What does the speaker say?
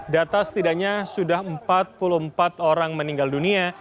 data setidaknya sudah empat puluh empat orang meninggal dunia